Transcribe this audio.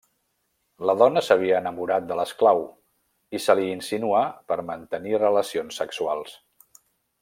La dona s'havia enamorat de l'esclau i se li insinuà per mantenir relacions sexuals.